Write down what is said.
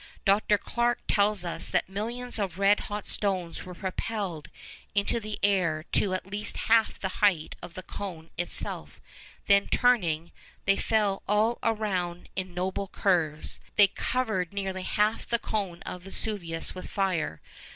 Dr. Clarke tells us that millions of red hot stones were propelled into the air to at least half the height of the cone itself; then turning, they fell all around in noble curves. They covered nearly half the cone of Vesuvius with fire.